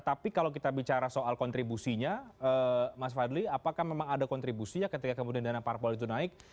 tapi kalau kita bicara soal kontribusinya mas fadli apakah memang ada kontribusinya ketika kemudian dana parpol itu naik